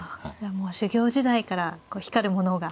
もう修業時代からこう光るものが。